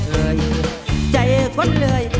เอ่ยใจขนเรื่อย